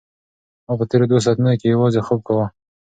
ما په تېرو دوو ساعتونو کې یوازې خوب کاوه.